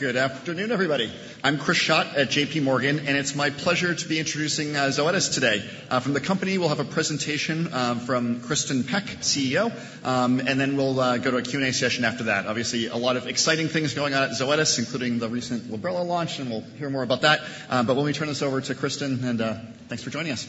Good afternoon, everybody. I'm Chris Schott at JPMorgan, and it's my pleasure to be introducing Zoetis today. From the company, we'll have a presentation from Kristin Peck, CEO, and then we'll go to a Q&A session after that. Obviously, a lot of exciting things going on at Zoetis, including the recent Librela launch, and we'll hear more about that. Let me turn this over to Kristin, and thanks for joining us.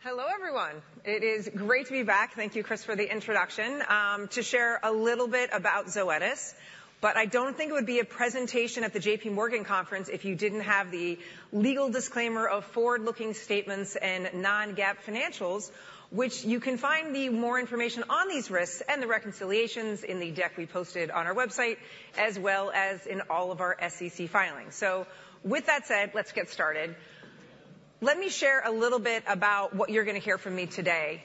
Hello, everyone. It is great to be back. Thank you, Chris, for the introduction. To share a little bit about Zoetis, but I don't think it would be a presentation at the J.P. Morgan conference if you didn't have the legal disclaimer of forward-looking statements and non-GAAP financials, which you can find more information on these risks and the reconciliations in the deck we posted on our website, as well as in all of our SEC filings. With that said, let's get started. Let me share a little bit about what you're going to hear from me today.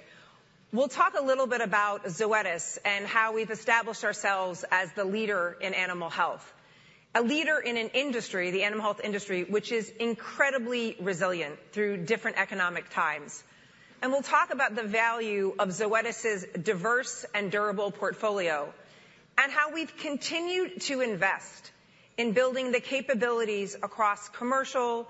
We'll talk a little bit about Zoetis and how we've established ourselves as the leader in animal health. A leader in an industry, the animal health industry, which is incredibly resilient through different economic times. We'll talk about the value of Zoetis' diverse and durable portfolio, and how we've continued to invest in building the capabilities across commercial,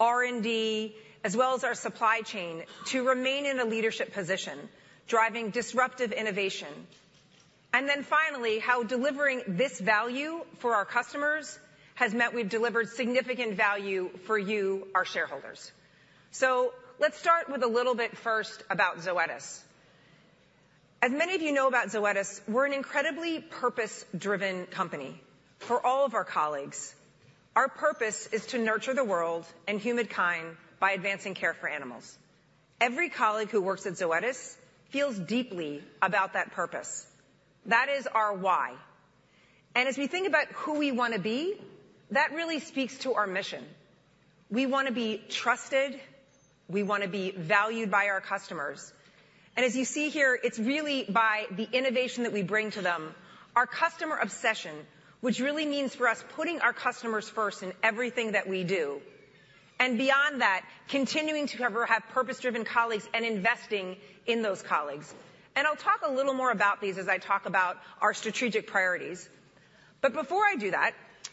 R&D, as well as our supply chain, to remain in a leadership position, driving disruptive innovation. Finally, how delivering this value for our customers has meant we've delivered significant value for you, our shareholders. Let's start with a little bit first about Zoetis. As many of you know about Zoetis, we're an incredibly purpose-driven company for all of our colleagues. Our purpose is to nurture the world and humankind by advancing care for animals. Every colleague who works at Zoetis feels deeply about that purpose. That is our why. And as we think about who we want to be, that really speaks to our mission. We want to be trusted, we want to be valued by our customers. As you see here, it's really by the innovation that we bring to them, our customer obsession, which really means for us, putting our customers first in everything that we do, and beyond that, continuing to have purpose-driven colleagues and investing in those colleagues. I'll talk a little more about these as I talk about our strategic priorities. Before I do that,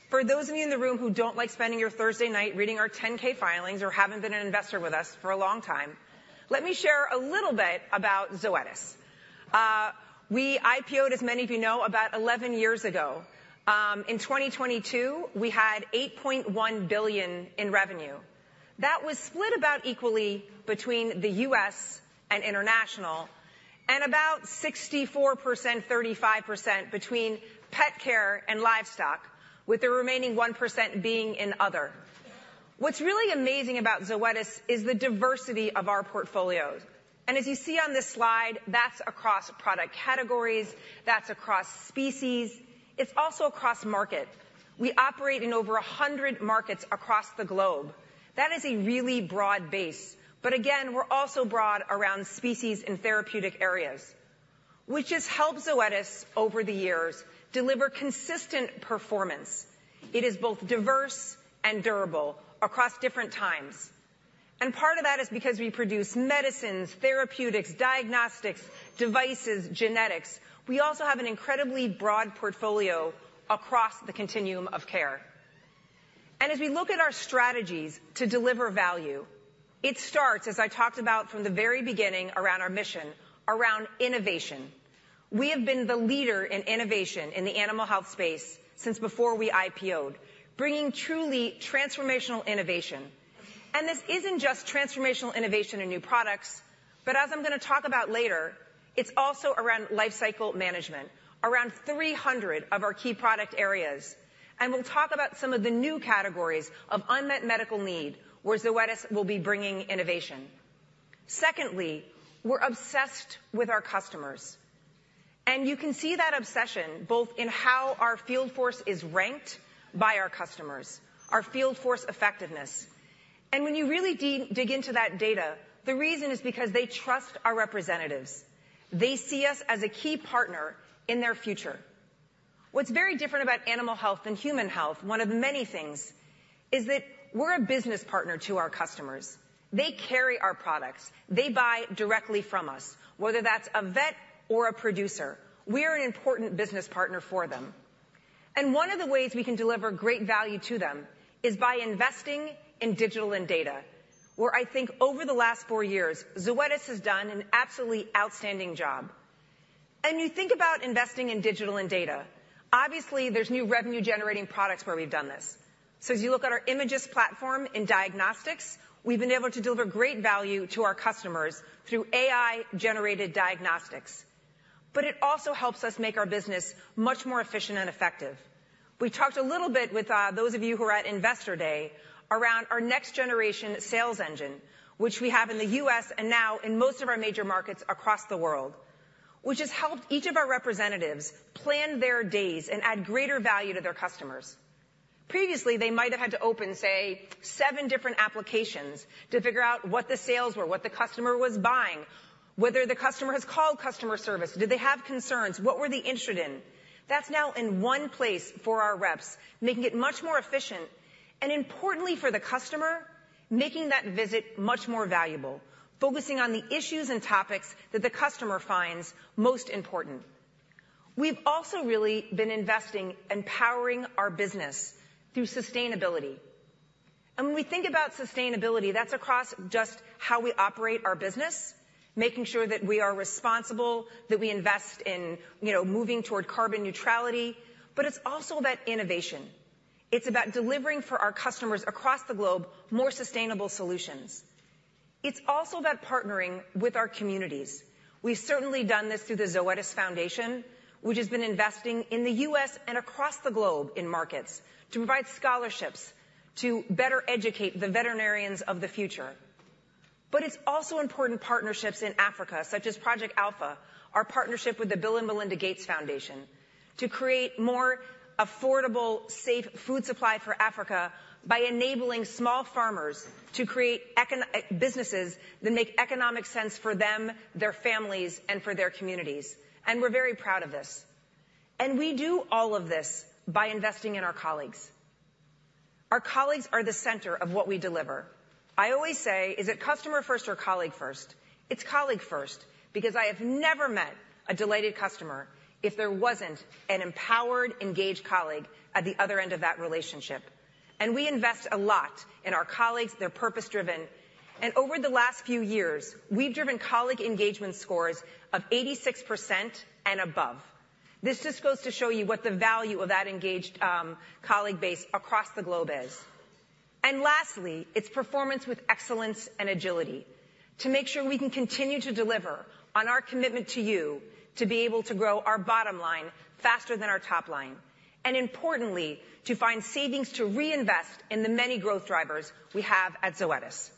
for those of you in the room who don't like spending your Thursday night reading our 10-K filings or haven't been an investor with us for a long time, let me share a little bit about Zoetis. We IPO'd, as many of you know, about 11 years ago. In 2022, we had $8.1 billion in revenue. That was split about equally between the U.S. and international, and about 64%, 35% between pet care and livestock, with the remaining 1% being in other. What's really amazing about Zoetis is the diversity of our portfolios, and as you see on this slide, that's across product categories, that's across species, it's also across market. We operate in over 100 markets across the globe. That is a really broad base, but again, we're also broad around species in therapeutic areas, which has helped Zoetis over the years deliver consistent performance. It is both diverse and durable across different times, and part of that is because we produce medicines, therapeutics, diagnostics, devices, genetics. We also have an incredibly broad portfolio across the continuum of care. As we look at our strategies to deliver value, it starts, as I talked about from the very beginning, around our mission, around innovation. We have been the leader in innovation in the animal health space since before we IPO'd, bringing truly transformational innovation. This isn't just transformational innovation in new products, but as I'm going to talk about later, it's also around lifecycle management, around 300 of our key product areas. We'll talk about some of the new categories of unmet medical need, where Zoetis will be bringing innovation. Secondly, we're obsessed with our customers, and you can see that obsession both in how our field force is ranked by our customers, our field force effectiveness. When you really dig into that data, the reason is because they trust our representatives. They see us as a key partner in their future. What's very different about animal health and human health, one of many things, is that we're a business partner to our customers. They carry our products. They buy directly from us, whether that's a vet or a producer. We are an important business partner for them, and one of the ways we can deliver great value to them is by investing in digital and data, where I think over the last four years, Zoetis has done an absolutely outstanding job. And you think about investing in digital and data. Obviously, there's new revenue-generating products where we've done this. As you look at our Imagyst platform in diagnostics, we've been able to deliver great value to our customers through AI-generated diagnostics, but it also helps us make our business much more efficient and effective. We talked a little bit with those of you who are at Investor Day around our next generation sales engine, which we have in the U.S. and now in most of our major markets across the world, which has helped each of our representatives plan their days and add greater value to their customers. Previously, they might have had to open, say, seven different applications to figure out what the sales were, what the customer was buying, whether the customer has called customer service. Do they have concerns? What were they interested in? That's now in one place for our reps, making it much more efficient, and importantly, for the customer, making that visit much more valuable, focusing on the issues and topics that the customer finds most important. We've also really been investing, empowering our business through sustainability. When we think about sustainability, that's across just how we operate our business, making sure that we are responsible, that we invest in, you know, moving toward carbon neutrality, but it's also about innovation. It's about delivering for our customers across the globe, more sustainable solutions. It's also about partnering with our communities. We've certainly done this through the Zoetis Foundation, which has been investing in the U.S. and across the globe in markets to provide scholarships to better educate the veterinarians of the future. It's also important partnerships in Africa, such as Project Alpha, our partnership with the Bill & Melinda Gates Foundation, to create more affordable, safe food supply for Africa by enabling small farmers to create businesses that make economic sense for them, their families, and for their communities, and we're very proud of this. We do all of this by investing in our colleagues. Our colleagues are the center of what we deliver. I always say, "Is it customer first or colleague first?" It's colleague first, because I have never met a delighted customer if there wasn't an empowered, engaged colleague at the other end of that relationship. We invest a lot in our colleagues. They're purpose-driven. Over the last few years, we've driven colleague engagement scores of 86% and above. This just goes to show you what the value of that engaged colleague base across the globe is. Lastly, it's performance with excellence and agility to make sure we can continue to deliver on our commitment to you, to be able to grow our bottom line faster than our top line, and importantly, to find savings to reinvest in the many growth drivers we have at Zoetis.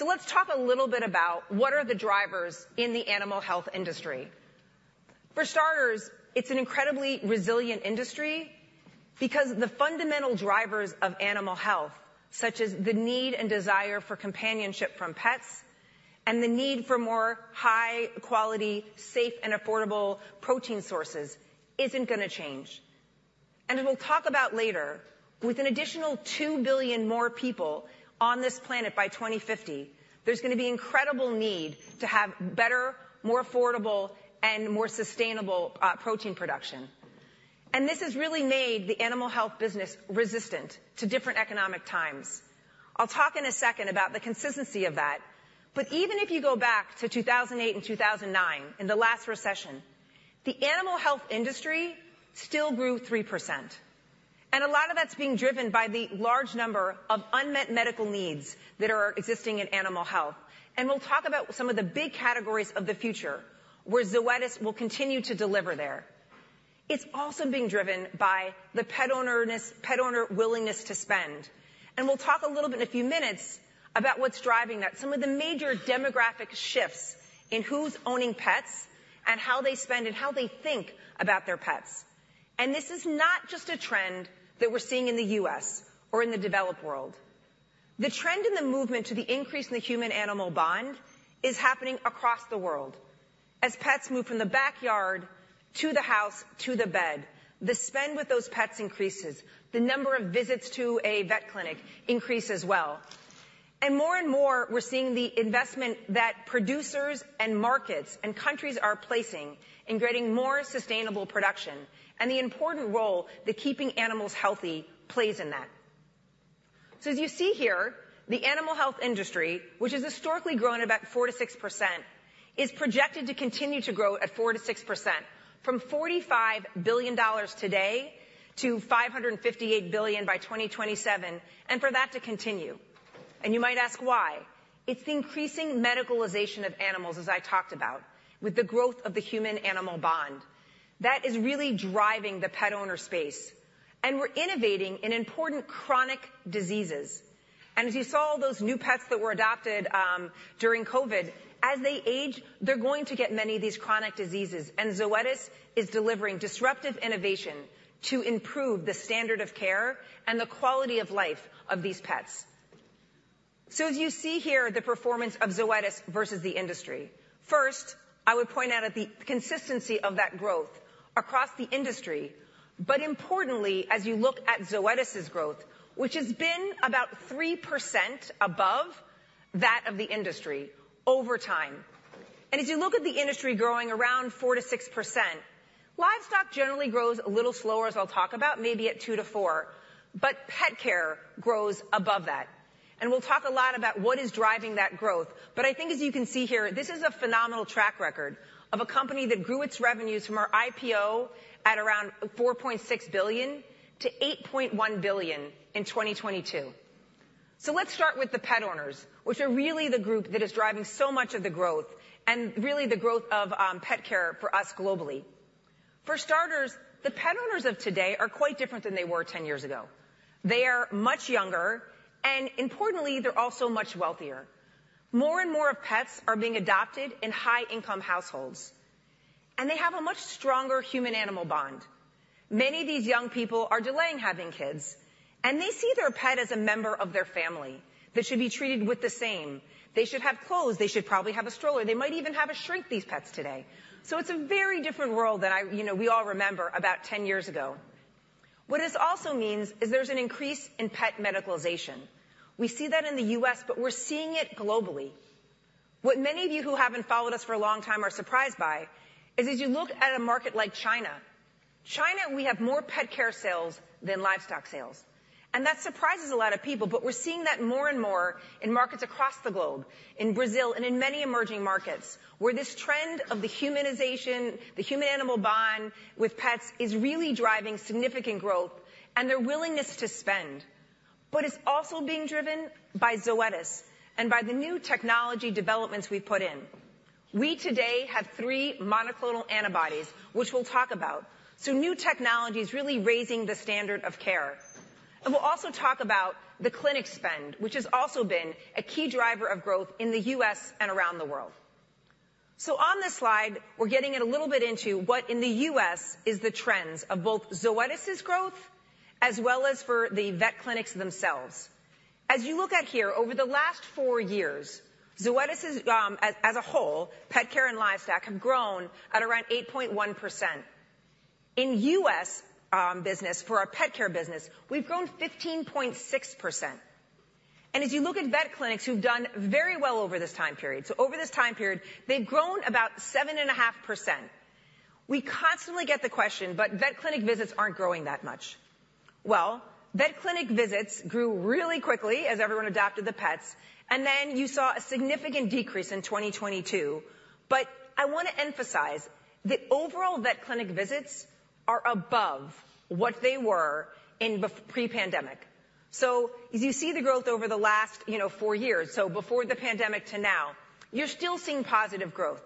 Let's talk a little bit about what are the drivers in the animal health industry. For starters, it's an incredibly resilient industry because the fundamental drivers of animal health, such as the need and desire for companionship from pets, and the need for more high-quality, safe, and affordable protein sources, isn't gonna change. We'll talk about later, with an additional two billion more people on this planet by 2050, there's gonna be incredible need to have better, more affordable, and more sustainable protein production. This has really made the animal health business resistant to different economic times. I'll talk in a second about the consistency of that. Even if you go back to 2008 and 2009, in the last recession, the animal health industry still grew 3%. A lot of that's being driven by the large number of unmet medical needs that are existing in animal health. We'll talk about some of the big categories of the future, where Zoetis will continue to deliver there. It's also being driven by the pet ownership, pet owner willingness to spend. We'll talk a little bit in a few minutes about what's driving that, some of the major demographic shifts in who's owning pets and how they spend and how they think about their pets. This is not just a trend that we're seeing in the U.S. or in the developed world. The trend in the movement to the increase in the human-animal bond is happening across the world. As pets move from the backyard, to the house, to the bed, the spend with those pets increases, the number of visits to a vet clinic increase as well. And more and more, we're seeing the investment that producers and markets and countries are placing in creating more sustainable production, and the important role that keeping animals healthy plays in that. As you see here, the animal health industry, which has historically grown about 4% to 6%, is projected to continue to grow at 4% to 6%, from $45 billion today to $558 billion by 2027, and for that to continue. You might ask why? It's the increasing medicalization of animals, as I talked about, with the growth of the human-animal bond. That is really driving the pet owner space, and we're innovating in important chronic diseases. As you saw, those new pets that were adopted during COVID, as they age, they're going to get many of these chronic diseases, and Zoetis is delivering disruptive innovation to improve the standard of care and the quality of life of these pets. As you see here, the performance of Zoetis versus the industry. First, I would point out at the consistency of that growth across the industry, but importantly, as you look at Zoetis' growth, which has been about 3% above that of the industry over time. As you look at the industry growing around 4% to 6%, livestock generally grows a little slower, as I'll talk about, maybe at 2% to 4%, but pet care grows above that. We'll talk a lot about what is driving that growth. I think as you can see here, this is a phenomenal track record of a company that grew its revenues from our IPO at around $4.6 to 8.1 billion in 2022. Let's start with the pet owners, which are really the group that is driving so much of the growth and really the growth of pet care for us globally. For starters, the pet owners of today are quite different than they were 10 years ago. They are much younger, and importantly, they're also much wealthier. More and more of pets are being adopted in high-income households, and they have a much stronger human-animal bond. Many of these young people are delaying having kids, and they see their pet as a member of their family that should be treated with the same. They should have clothes, they should probably have a stroller. They might even have a shrink, these pets today. So it's a very different world than you know, we all remember about ten years ago. What this also means is there's an increase in pet medicalization. We see that in the U.S., but we're seeing it globally. What many of you who haven't followed us for a long time are surprised by, is as you look at a market like China, China, we have more pet care sales than livestock sales, and that surprises a lot of people. But we're seeing that more and more in markets across the globe, in Brazil, and in many emerging markets, where this trend of the humanization, the human-animal bond with pets, is really driving significant growth and their willingness to spend. It's also being driven by Zoetis and by the new technology developments we put in. We today have three monoclonal antibodies, which we'll talk about. New technology is really raising the standard of care. We'll also talk about the clinic spend, which has also been a key driver of growth in the US and around the world. On this slide, we're getting it a little bit into what in the US is the trends of both Zoetis' growth as well as for the vet clinics themselves. As you look at here, over the last four years, Zoetis, as a whole, pet care and livestock have grown at around 8.1%. In US business, for our pet care business, we've grown 15.6%. As you look at vet clinics who've done very well over this time period, so over this time period, they've grown about 7.5%. We constantly get the question, "But vet clinic visits aren't growing that much?" Well, vet clinic visits grew really quickly as everyone adopted the pets, and then you saw a significant decrease in 2022. I want to emphasize that overall vet clinic visits are above what they were in pre-pandemic. As you see the growth over the last, you know, four years, so before the pandemic to now, you're still seeing positive growth.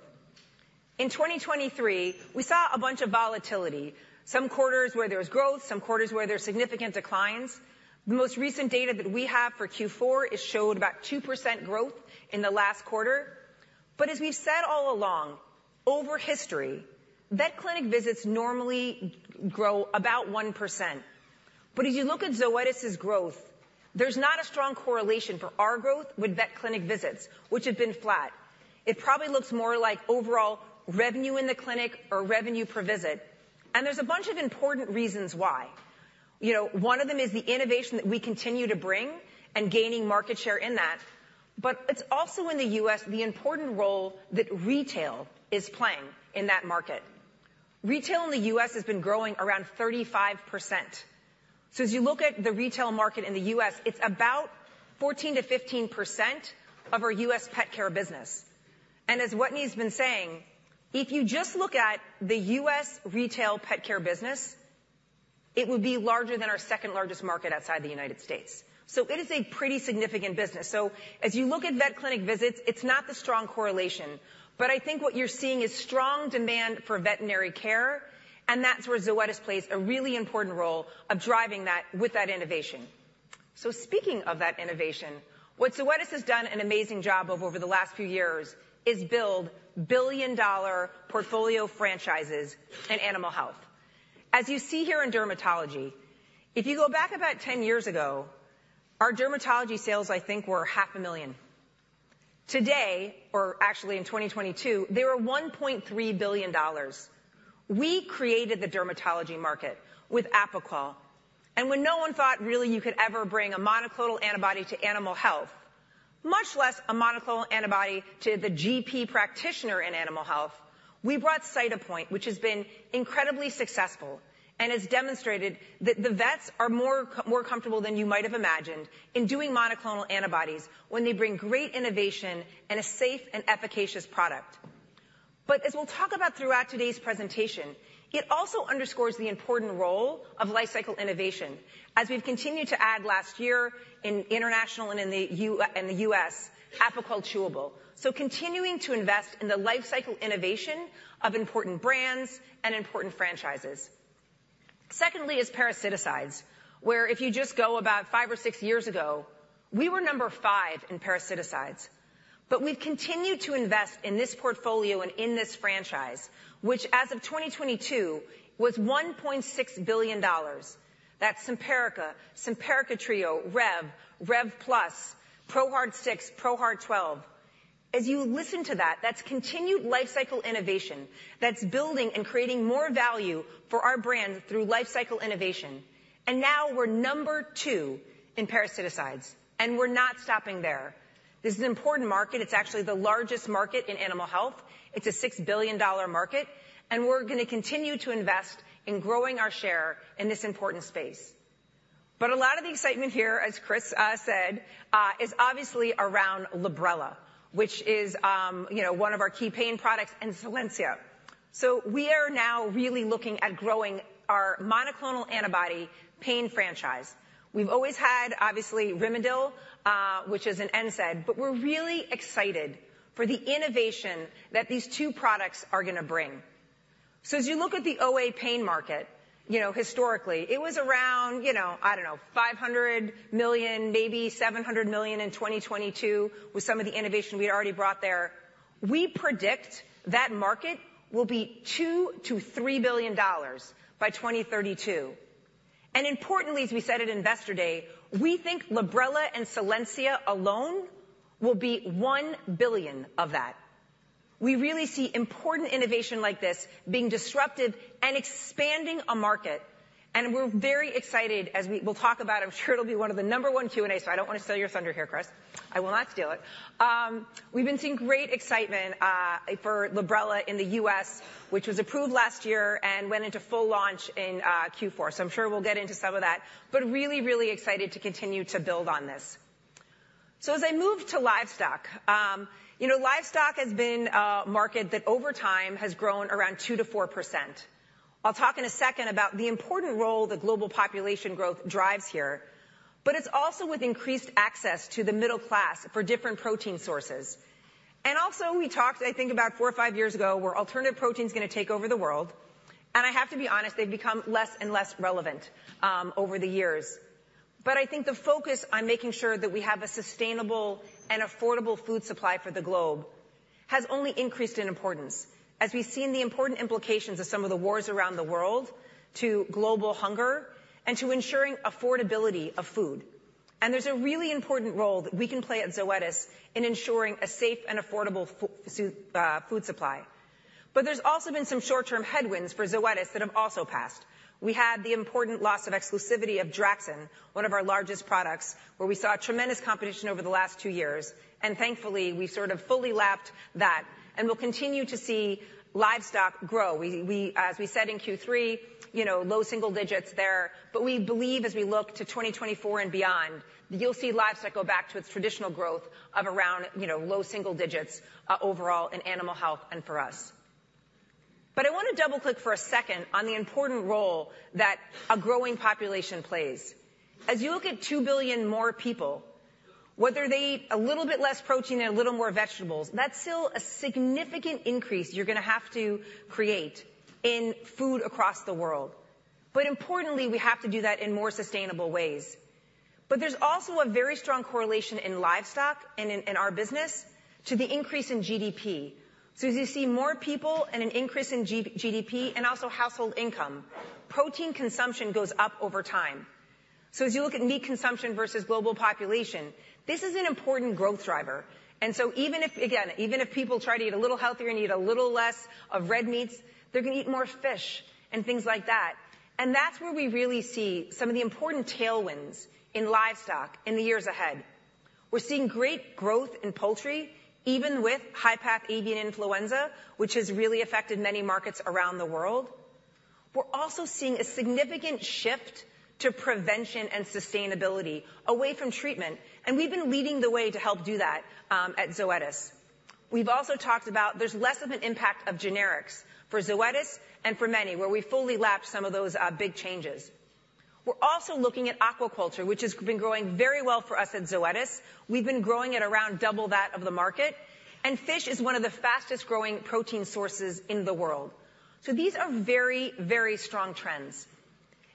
In 2023, we saw a bunch of volatility. Some quarters where there was growth, some quarters where there's significant declines. The most recent data that we have for Q4, it showed about 2% growth in the last quarter. As we've said all along, over history, vet clinic visits normally grow about 1%. But as you look at Zoetis' growth, there's not a strong correlation for our growth with vet clinic visits, which have been flat. It probably looks more like overall revenue in the clinic or revenue per visit, and there's a bunch of important reasons why. Y ou know, one of them is the innovation that we continue to bring and gaining market share in that, but it's also in the US, the important role that retail is playing in that market. Retail in the US has been growing around 35%. As you look at the retail market in the US, it's about 14% to 15% of our US pet care business. As Wetteny's been saying, if you just look at the U.S. retail pet care business, it would be larger than our second-largest market outside the United States. It is a pretty significant business. As you look at vet clinic visits, it's not the strong correlation, but I think what you're seeing is strong demand for veterinary care, and that's where Zoetis plays a really important role of driving that with that innovation. Speaking of that innovation, what Zoetis has done an amazing job of over the last few years is build billion-dollar portfolio franchises in animal health. As you see here in dermatology, if you go back about 10 years ago, our dermatology sales, I think, were $500,000. Today, or actually in 2022, they were $1.3 billion. We created the dermatology market with Apoquel, and when no one thought really you could ever bring a monoclonal antibody to animal health, much less a monoclonal antibody to the GP practitioner in animal health, we brought Cytopoint, which has been incredibly successful and has demonstrated that the vets are more, more comfortable than you might have imagined in doing monoclonal antibodies when they bring great innovation and a safe and efficacious product. As we'll talk about throughout today's presentation, it also underscores the important role of life cycle innovation, as we've continued to add last year in international and in the U.S., Apoquel Chewable. Continuing to invest in the life cycle innovation of important brands and important franchises. Secondly is parasiticides, where if you just go about five or six years ago, we were number five in parasiticides. We've continued to invest in this portfolio and in this franchise, which as of 2022, was $1.6 billion. That's Simparica, Simparica Trio, Rev, Rev Plus, ProHeart 6, ProHeart 12. As you listen to that, that's continued life cycle innovation, that's building and creating more value for our brand through life cycle innovation. And now we're number two in parasiticides, and we're not stopping there. This is an important market. It's actually the largest market in animal health. It's a $6 billion market, and we're gonna continue to invest in growing our share in this important space. A lot of the excitement here, as Chris said, is obviously around Librela, which is, you know, one of our key pain products, and Solensia. We are now really looking at growing our monoclonal antibody pain franchise. We've always had, obviously, Rimadyl, which is an NSAID, but we're really excited for the innovation that these two products are gonna bring. As you look at the OA pain market, you know, historically, it was around, you know, I don't know, $500 million, maybe $700 million in 2022, with some of the innovation we had already brought there. We predict that market will be $2 to 3 billion by 2032. Importantly, as we said at Investor Day, we think Librela and Solensia alone will be $1 billion of that. We really see important innovation like this being disruptive and expanding a market, and we're very excited as we'll talk about, I'm sure it'll be one of the number one Q&A, so I don't want to steal your thunder here, Chris. I will not steal it. We've been seeing great excitement for Librela in the U.S., which was approved last year and went into full launch in Q4. I'm sure we'll get into some of that, but really, really excited to continue to build on this. As I move to livestock, you know, livestock has been a market that over time has grown around 2% to 4%. I'll talk in a second about the important role that global population growth drives here, but it's also with increased access to the middle class for different protein sources. Also, we talked, I think about four or five years ago, where alternative protein is going to take over the world, and I have to be honest, they've become less and less relevant over the years. I think the focus on making sure that we have a sustainable and affordable food supply for the globe has only increased in importance, as we've seen the important implications of some of the wars around the world to global hunger and to ensuring affordability of food. There's a really important role that we can play at Zoetis in ensuring a safe and affordable food supply. There's also been some short-term headwinds for Zoetis that have also passed. We had the important loss of exclusivity of Draxxin, one of our largest products, where we saw tremendous competition over the last two years, and thankfully, we sort of fully lapped that, and we'll continue to see livestock grow. As we said in Q3, you know, low single digits there, but we believe as we look to 2024 and beyond, you'll see livestock go back to its traditional growth of around, you know, low single digits overall in animal health and for us. I want to double-click for a second on the important role that a growing population plays. As you look at two billion more people, whether they eat a little bit less protein and a little more vegetables, that's still a significant increase you're going to have to create in food across the world. Importantly, we have to do that in more sustainable ways. There's also a very strong correlation in livestock and in our business to the increase in GDP. As you see more people and an increase in GDP and also household income, protein consumption goes up over time. As you look at meat consumption versus global population, this is an important growth driver. And so even if. Again, even if people try to eat a little healthier and eat a little less of red meats, they're going to eat more fish and things like that. That's where we really see some of the important tailwinds in livestock in the years ahead. We're seeing great growth in poultry, even with high-pathogenicity avian influenza, which has really affected many markets around the world. We're also seeing a significant shift to prevention and sustainability away from treatment, and we've been leading the way to help do that, at Zoetis. We've also talked about, there's less of an impact of generics for Zoetis and for many, where we fully lap some of those, big changes. We're also looking at aquaculture, which has been growing very well for us at Zoetis. We've been growing at around double that of the market, and fish is one of the fastest-growing protein sources in the world. These are very, very strong trends.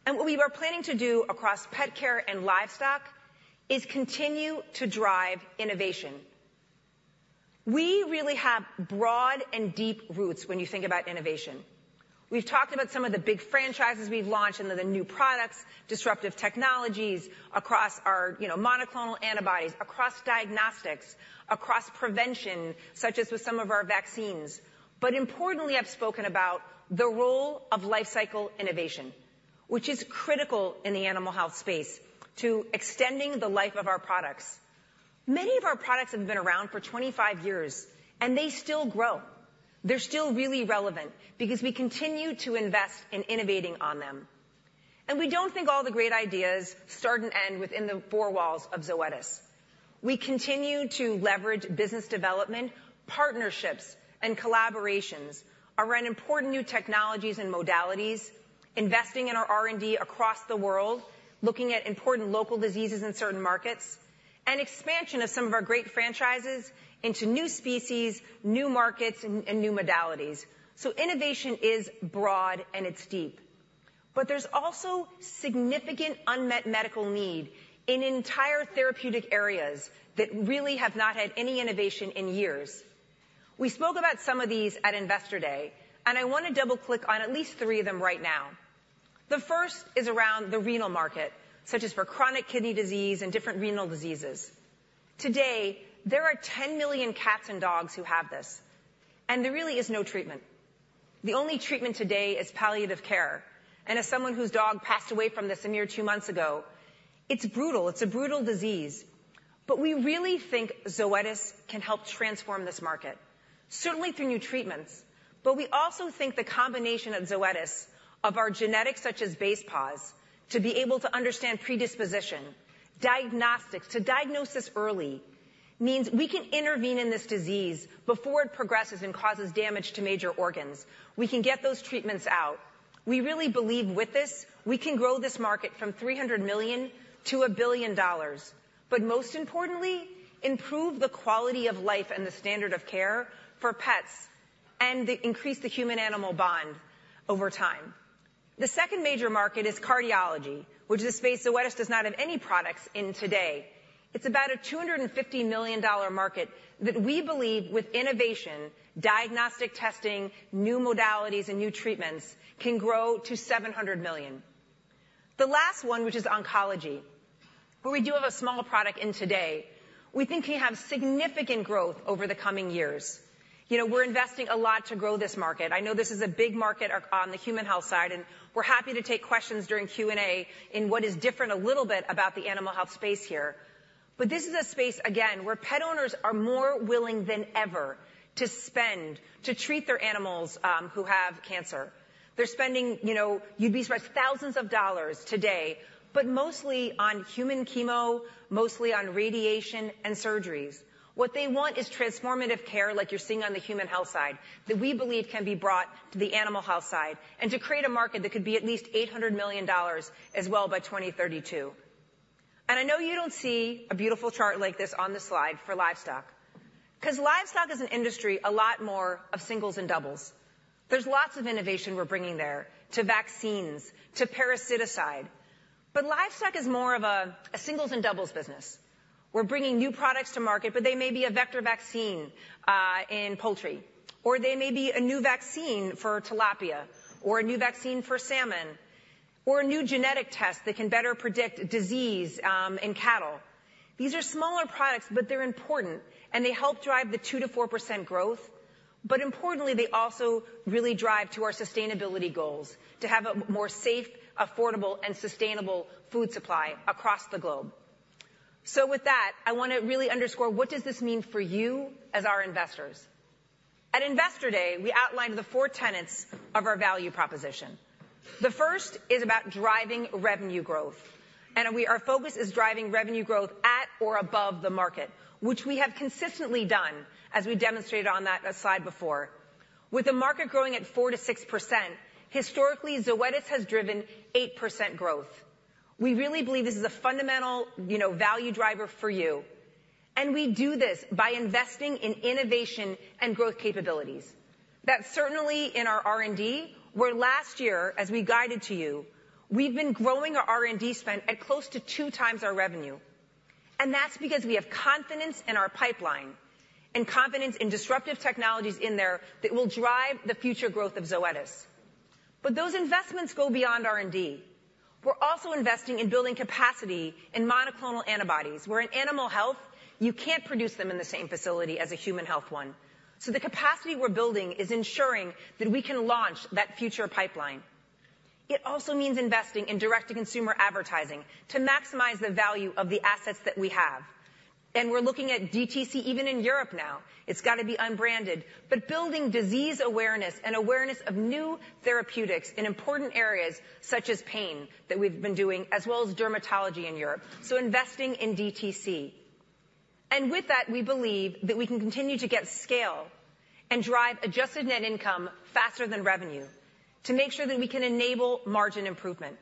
What we are planning to do across pet care and livestock is continue to drive innovation. We really have broad and deep roots when you think about innovation. We've talked about some of the big franchises we've launched into the new products, disruptive technologies across our, you know, monoclonal antibodies, across diagnostics, across prevention, such as with some of our vaccines. Importantly, I've spoken about the role of life cycle innovation, which is critical in the animal health space to extending the life of our products. Many of our products have been around for 25 years, and they still grow. They're still really relevant because we continue to invest in innovating on them. We don't think all the great ideas start and end within the four walls of Zoetis. We continue to leverage business development, partnerships, and collaborations around important new technologies and modalities, investing in our R&D across the world, looking at important local diseases in certain markets, and expansion of some of our great franchises into new species, new markets, and new modalities. Innovation is broad, and it's deep. There's also significant unmet medical need in entire therapeutic areas that really have not had any innovation in years. We spoke about some of these at Investor Day, and I want to double-click on at least three of them right now. The first is around the renal market, such as for chronic kidney disease and different renal diseases. Today, there are 10 million cats and dogs who have this, and there really is no treatment. The only treatment today is palliative care, and as someone whose dog passed away from this a mere two months ago, it's brutal. It's a brutal disease. We really think Zoetis can help transform this market, certainly through new treatments. We also think the combination of Zoetis, of our genetics, such as Basepaws, to be able to understand predisposition, diagnostics, to diagnosis early, means we can intervene in this disease before it progresses and causes damage to major organs. We can get those treatments out. We really believe with this, we can grow this market from $300 million to 1 billion, but most importantly, improve the quality of life and the standard of care for pets and increase the human-animal bond over time. The second major market is cardiology, which is a space Zoetis does not have any products in today. It's about a $250 million market that we believe with innovation, diagnostic testing, new modalities, and new treatments can grow to $700 million. The last one, which is oncology, where we do have a small product in today. We think we have significant growth over the coming years. You know, we're investing a lot to grow this market. I know this is a big market on, on the human health side, and we're happy to take questions during Q&A in what is different a little bit about the animal health space here. But this is a space, again, where pet owners are more willing than ever to spend, to treat their animals, who have cancer. They're spending, you know, you'd be surprised, thousands of dollars today, but mostly on human chemo, mostly on radiation and surgeries. What they want is transformative care, like you're seeing on the human health side, that we believe can be brought to the animal health side, and to create a market that could be at least $800 million as well by 2032. I know you don't see a beautiful chart like this on the slide for livestock, 'cause livestock is an industry, a lot more of singles and doubles. There's lots of innovation we're bringing there, to vaccines, to parasiticide, but livestock is more of a singles and doubles business. We're bringing new products to market, but they may be a vector vaccine in poultry, or they may be a new vaccine for tilapia, or a new vaccine for salmon, or a new genetic test that can better predict disease in cattle. These are smaller products, but they're important, and they help drive the 2% to 4% growth. But importantly, they also really drive to our sustainability goals, to have a more safe, affordable, and sustainable food supply across the globe. With that, I wanna really underscore what does this mean for you as our investors? At Investor Day, we outlined the four tenets of our value proposition. The first is about driving revenue growth, and we, our focus is driving revenue growth at or above the market, which we have consistently done, as we demonstrated on that slide before. With the market growing at 4% to 6%, historically, Zoetis has driven 8% growth. We really believe this is a fundamental, you know, value driver for you, and we do this by investing in innovation and growth capabilities. That's certainly in our R&D, where last year, as we guided to you, we've been growing our R&D spend at close to 2x our revenue, and that's because we have confidence in our pipeline and confidence in disruptive technologies in there that will drive the future growth of Zoetis. Those investments go beyond R&D. We're also investing in building capacity in monoclonal antibodies, where in animal health, you can't produce them in the same facility as a human health one. The capacity we're building is ensuring that we can launch that future pipeline. It also means investing in direct-to-consumer advertising to maximize the value of the assets that we have. We're looking at DTC even in Europe now. It's got to be unbranded, but building disease awareness and awareness of new therapeutics in important areas such as pain, that we've been doing, as well as dermatology in Europe, so investing in DTC. And with that, we believe that we can continue to get scale and drive adjusted net income faster than revenue to make sure that we can enable margin improvement.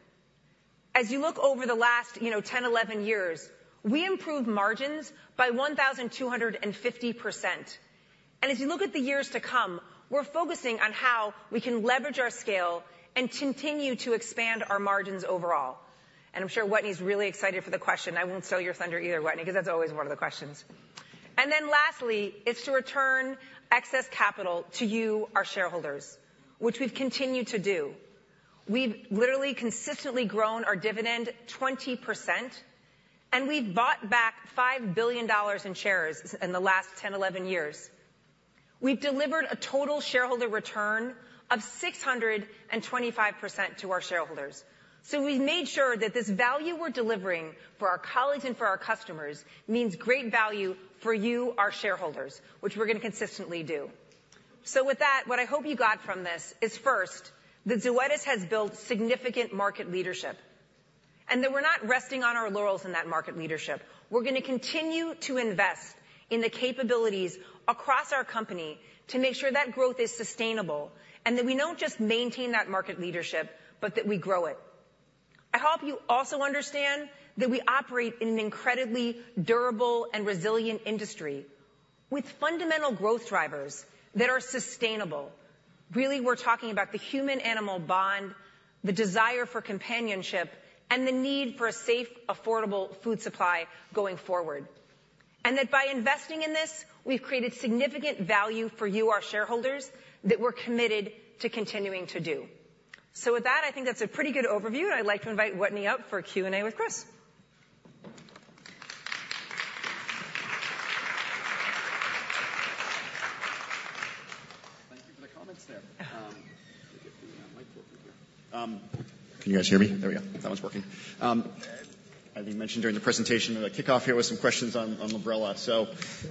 As you look over the last, you know, 10, 11 years, we improved margins by 1,250%. As you look at the years to come, we're focusing on how we can leverage our scale and continue to expand our margins overall. I'm sure Wetteny's really excited for the question. I won't steal your thunder either, Wetteny, because that's always one of the questions. Lastly, it's to return excess capital to you, our shareholders, which we've continued to do. We've literally consistently grown our dividend 20%, and we've bought back $5 billion in shares in the last 10, 11 years. We've delivered a total shareholder return of 625% to our shareholders. So we've made sure that this value we're delivering for our colleagues and for our customers means great value for you, our shareholders, which we're going to consistently do. With that, what I hope you got from this is, first, that Zoetis has built significant market leadership, and that we're not resting on our laurels in that market leadership. We're going to continue to invest in the capabilities across our company to make sure that growth is sustainable and that we don't just maintain that market leadership, but that we grow it. I hope you also understand that we operate in an incredibly durable and resilient industry with fundamental growth drivers that are sustainable. Really, we're talking about the human-animal bond, the desire for companionship, and the need for a safe, affordable food supply going forward. That by investing in this, we've created significant value for you, our shareholders, that we're committed to continuing to do. With that, I think that's a pretty good overview, and I'd like to invite Wetteny up for a Q&A with Chris. Thank you for the comments there. Let me get the mic over here. Can you guys hear me? There we go. That one's working. As we mentioned during the presentation, I'm gonna kick off here with some questions on Librela.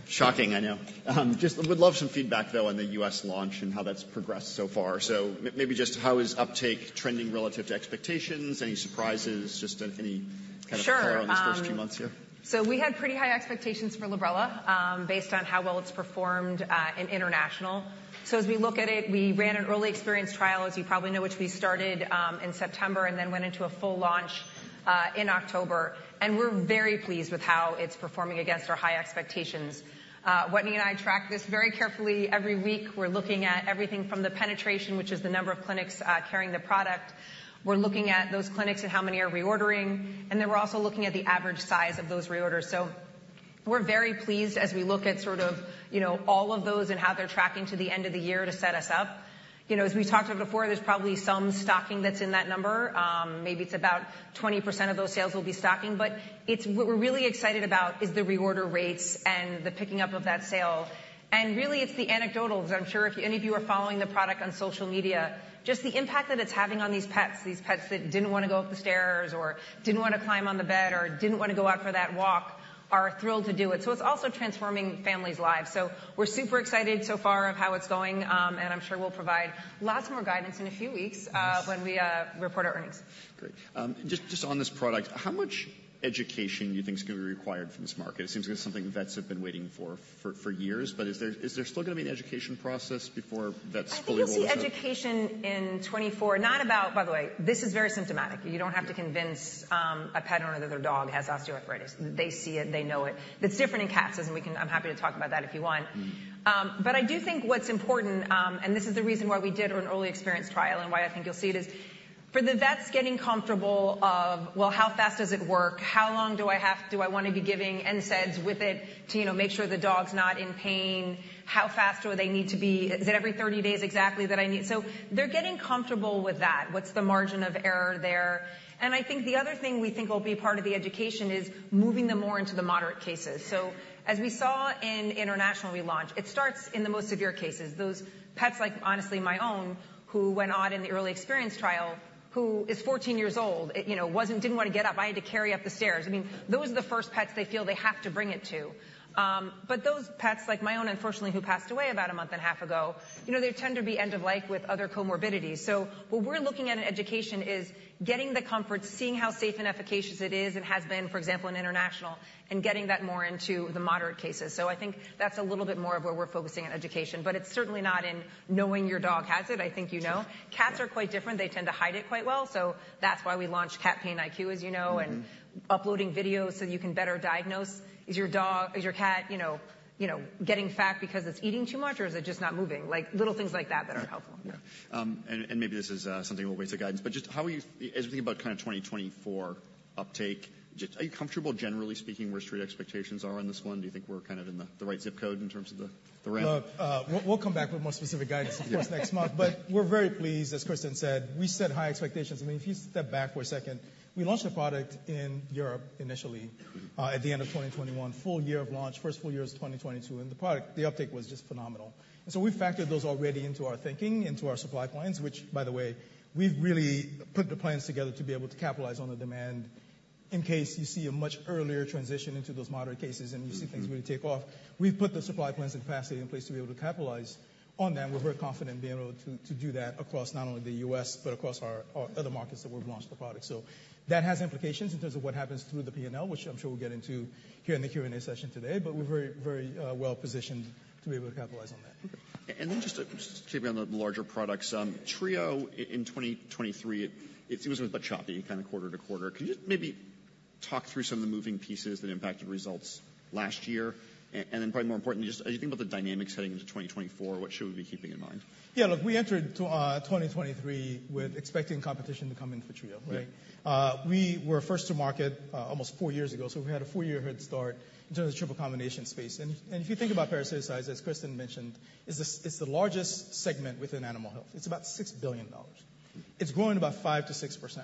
Shocking, I know. Just would love some feedback, though, on the U.S. launch and how that's progressed so far. So maybe just how is uptake trending relative to expectations? Any surprises? Just any kind of color- Sure! on these first few months here. We had pretty high expectations for Librela, based on how well it's performed in international. As we look at it, we ran an early experience trial, as you probably know, which we started in September, and then went into a full launch in October, and we're very pleased with how it's performing against our high expectations. Wetteny and I track this very carefully. Every week, we're looking at everything from the penetration, which is the number of clinics carrying the product. We're looking at those clinics and how many are reordering, and then we're also looking at the average size of those reorders. We're very pleased as we look at sort of, you know, all of those and how they're tracking to the end of the year to set us up. You know, as we talked about before, there's probably some stocking that's in that number. Maybe it's about 20% of those sales will be stocking, but it's what we're really excited about is the reorder rates and the picking up of that sale. Really, it's the anecdotals. I'm sure if any of you are following the product on social media, just the impact that it's having on these pets, these pets that didn't wanna go up the stairs or didn't wanna climb on the bed or didn't wanna go out for that walk, are thrilled to do it. It's also transforming families' lives. We're super excited so far of how it's going, and I'm sure we'll provide lots more guidance in a few weeks. Yes. When we report our earnings. Great. Just on this product, how much education do you think is gonna be required from this market? It seems like it's something vets have been waiting for years, but is there still gonna be an education process before that's fully rolled out? I think you'll see education in 2024, not about. By the way, this is very symptomatic. You don't have to convince a pet owner that their dog has osteoarthritis. They see it, they know it. It's different in cats, and I'm happy to talk about that if you want. But I do think what's important, and this is the reason why we did an early experience trial and why I think you'll see it, is for the vets getting comfortable of, Well, how fast does it work? How long do I have do I wanna be giving NSAIDs with it to, you know, make sure the dog's not in pain? How fast do they need to be? Is it every 30 days exactly that I need? They're getting comfortable with that. What's the margin of error there? I think the other thing we think will be part of the education is moving them more into the moderate cases. As we saw in international relaunch, it starts in the most severe cases. Those pets, like, honestly, my own, who went odd in the early experience trial, who is 14 years old, you know, didn't wanna get up. I had to carry her up the stairs. I mean, those are the first pets they feel they have to bring it to. Those pets, like my own, unfortunately, who passed away about a month and a half ago, you know, they tend to be end of life with other comorbidities. What we're looking at in education is getting the comfort, seeing how safe and efficacious it is and has been, for example, in international, and getting that more into the moderate cases. I think that's a little bit more of where we're focusing on education, but it's certainly not in knowing your dog has it. I think you know. Yeah. Cats are quite different. They tend to hide it quite well. That's why we launched Cat Pain IQ, as you know. uploading videos so you can better diagnose: is your dog. Is your cat, you know, you know, getting fat because it's eating too much, or is it just not moving? Like, little things like that, that are helpful. Maybe this is something away with the guidance, but just how are you, as we think about kind of 2024 uptake, just are you comfortable, generally speaking, where street expectations are on this one? Do you think we're kind of in the right zip code in terms of the ramp? Look, we'll come back with more specific guidance, of course, next month. We're very pleased, as Kristin said. We set high expectations. I mean, if you step back for a second, we launched a product in Europe initially at the end of 2021. Full year of launch, first full year is 2022, and the product, the uptake was just phenomenal. We've factored those already into our thinking, into our supply plans, which, by the way, we've really put the plans together to be able to capitalize on the demand in case you see a much earlier transition into those moderate cases, and you see things really take off. We've put the supply plans and capacity in place to be able to capitalize on that, and we're very confident being able to, to do that across not only the U.S., but across our, our other markets that we've launched the product. So that has implications in terms of what happens through the P&L, which I'm sure we'll get into here in the Q&A session today, but we're very, very, well-positioned to be able to capitalize on that. Then just to keep on the larger products, Trio in 2023, it was a bit choppy, kind of quarter to quarter. Can you just maybe talk through some of the moving pieces that impacted results last year? Probably more importantly, just as you think about the dynamics heading into 2024, what should we be keeping in mind? Look, we entered 2023 with expecting competition to come in for Trio, right? We were first to market, almost four years ago, so we had a four-year head start in terms of triple combination space. If you think about parasiticides, as Kristin mentioned, it's the largest segment within animal health. It's about $6 billion. It's growing about 5% to 6%.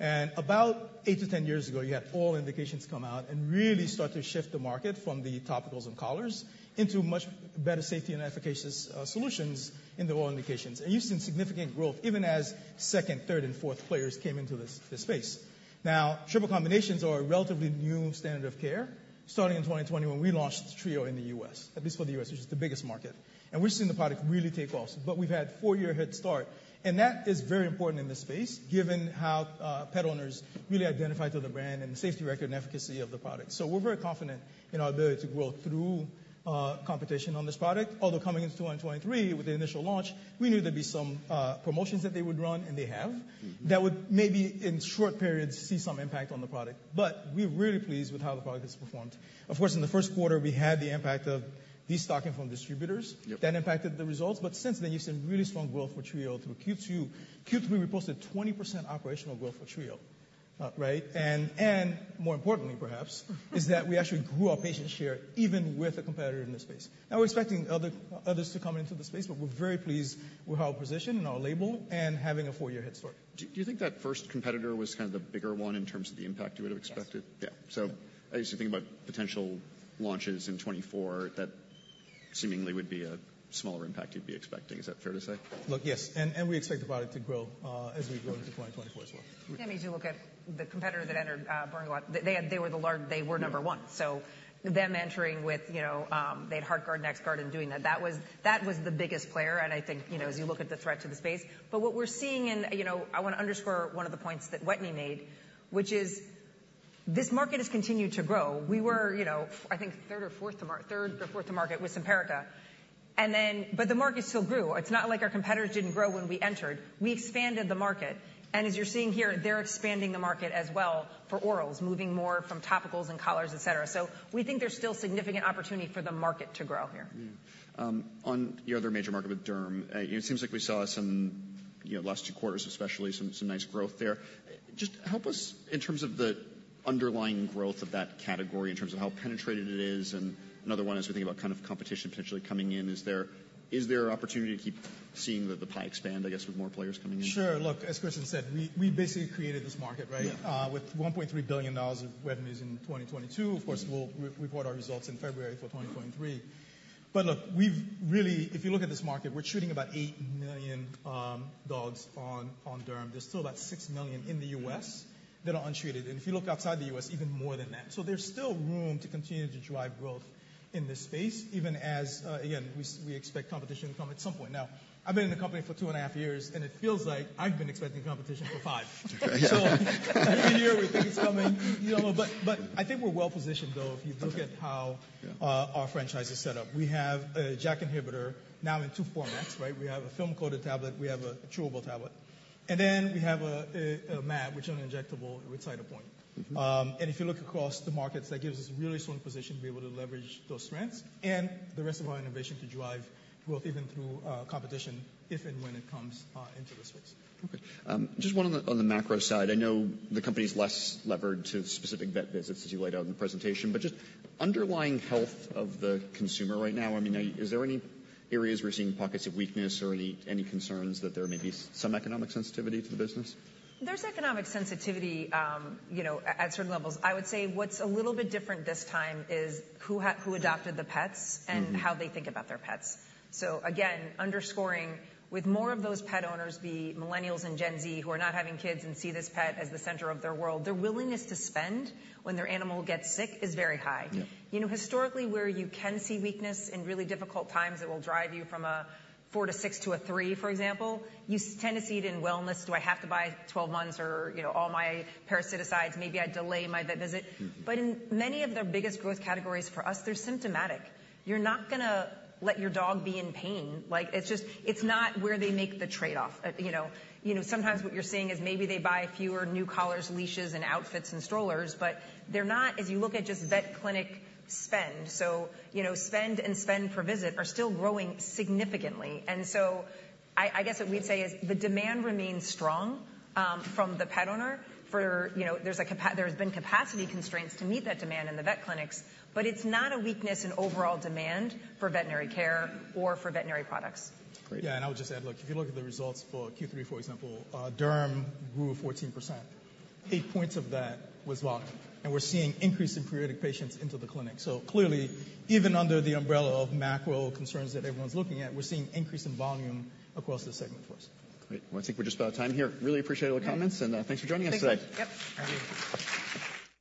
About eight to 10 years ago, you had all indications come out and really start to shift the market from the topicals and collars into much better safety and efficacious solutions in the oral indications. You've seen significant growth, even as second, third, and fourth players came into this space. Now, triple combinations are a relatively new standard of care. Starting in 2021, we launched Trio in the U.S., at least for the U.S., which is the biggest market. We've seen the product really take off, but we've had four-year head start, and that is very important in this space, given how pet owners really identify to the brand and safety record and efficacy of the product. We're very confident in our ability to grow through competition on this product. Although coming into 2023 with the initial launch, we knew there'd be some promotions that they would run, and they have that would maybe, in short periods, see some impact on the product. But we're really pleased with how the product has performed. Of course, in the Q1, we had the impact of destocking from distributors. That impacted the results, but since then, you've seen really strong growth for Trio through Q2. Q3, we posted 20% operational growth for Trio, right? And more importantly, is that we actually grew our patient share even with a competitor in this space. Now, we're expecting others to come into the space, but we're very pleased with our position and our label and having a four-year head start. Do you think that first competitor was kind of the bigger one in terms of the impact you would have expected? As you think about potential launches in 2024, that seemingly would be a smaller impact you'd be expecting. Is that fair to say? Look, yes, and we expect the product to grow as we go into 2024 as well. As you look at the competitor that entered, Boehringer Ingelheim, they were number one. Them entering with, you know, they had Heartgard and NexGard in doing that, that was the biggest player, and I think, you know, as you look at the threat to the space that we're seeing in. You know, I wanna underscore one of the points that Wetteny made, which is this market has continued to grow. We were, you know, I think, third or fourth to market with Simparica, and then, but the market still grew. It's not like our competitors didn't grow when we entered. We expanded the market, and as you're seeing here, they're expanding the market as well for orals, moving more from topicals and collars, et cetera. We think there's still significant opportunity for the market to grow here. On your other major market with Derm, it seems like we saw some, you know, last two quarters, especially some nice growth there. Just help us in terms of the underlying growth of that category, in terms of how penetrated it is, and another one, as we think about kind of competition potentially coming in, is there opportunity to keep seeing the pie expand, I guess, with more players coming in? Sure. Look, as Chris said, we basically created this market, right? With $1.3 billion of revenues in 2022. Of course, we'll report our results in February for 2023. Look, we've really, if you look at this market, we're treating about 8 million dogs on Derm. There's still about 6 million in the U.S. that are untreated, and if you look outside the US, even more than that. There's still room to continue to drive growth in this space, even as, again, we expect competition to come at some point. Now, I've been in the company for two and a half years, and it feels like I've been expecting competition for five. Every year we think it's coming, you know. I think we're well positioned, though, if you look at how. Our franchise is set up. We have a JAK inhibitor now in two formats, right? We have a film-coated tablet, we have a chewable tablet, and then we have an mAb, which is an injectable with Cytopoint. If you look across the markets, that gives us a really strong position to be able to leverage those strengths and the rest of our innovation to drive growth even through competition, if and when it comes into the space. Okay. Just one on the macro side. I know the company's less levered to specific vet visits, as you laid out in the presentation, but just underlying health of the consumer right now, I mean, is there any areas we're seeing pockets of weakness or any concerns that there may be some economic sensitivity to the business? There's economic sensitivity, you know, at certain levels. I would say what's a little bit different this time is who adopted the pets and how they think about their pets. Again, underscoring, with more of those pet owners, the millennials and Gen Z, who are not having kids and see this pet as the center of their world, their willingness to spend when their animal gets sick is very high. You know, historically, where you can see weakness in really difficult times, it will drive you from a four-six to a three, for example. You tend to see it in wellness. Do I have to buy 12 months or, you know, all my parasiticides, maybe I delay my vet visit. In many of their biggest growth categories for us, they're symptomatic. You're not gonna let your dog be in pain. Like, it's just, it's not where they make the trade-off. You know, you know, sometimes what you're seeing is maybe they buy fewer new collars, leashes, and outfits and strollers, but they're not, as you look at just vet clinic spend. Spend and spend per visit are still growing significantly, and so I guess what we'd say is the demand remains strong from the pet owner for you know. There's been capacity constraints to meet that demand in the vet clinics, but it's not a weakness in overall demand for veterinary care or for veterinary products. Great. I would just add, look, if you look at the results for Q3, for example, Derm grew 14%. eight points of that was volume, and we're seeing increase in periodic patients into the clinic. Clearly, even under the umbrella of macro concerns that everyone's looking at, we're seeing increase in volume across the segment for us. Great. Well, I think we're just about out of time here. Really appreciate all the comments, and, thanks for joining us today. Thank you.